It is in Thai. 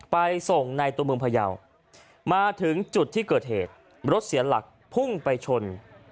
ไปส่งในตัวเมืองพยาวมาถึงจุดที่เกิดเหตุรถเสียหลักพุ่งไปชน